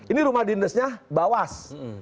ini rumah dinasnya bawas